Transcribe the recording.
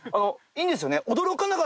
いいんですよね？